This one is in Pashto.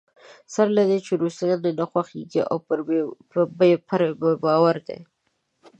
سره له دې چې روسان یې نه خوښېږي او پرې بې باوره دی.